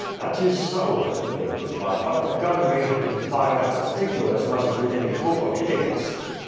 "That is so," the mate replied; "but the gun may have been fired as a signal as much as with any hope of hitting us."